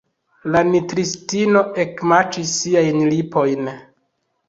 La nutristino ekmaĉis siajn lipojn.